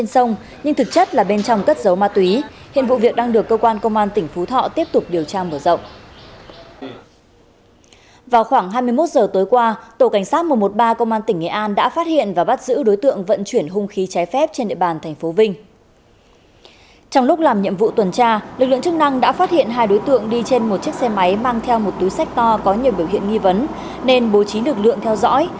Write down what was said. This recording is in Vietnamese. trong lúc làm nhiệm vụ tuần tra lực lượng chức năng đã phát hiện hai đối tượng đi trên một chiếc xe máy mang theo một túi xách to có nhiều biểu hiện nghi vấn nên bố trí lực lượng theo dõi